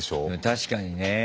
確かにねえ。